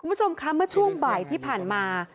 คุณผู้ชมคะเมื่อช่วงบ่ายที่ผ่านมา